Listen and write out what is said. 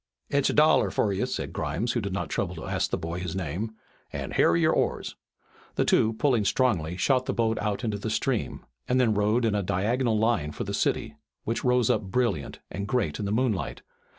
"It's a dollar for you," said Grimes, who did not trouble to ask the boy his name, "an' here are your oars." The two, pulling strongly, shot the boat out into the stream, and then rowed in a diagonal line for the city, which rose up brilliant and great in the moonlight.